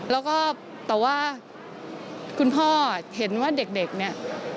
แล้วก็แต่ว่าคุณพ่อเห็นว่าเด็กเนี่ย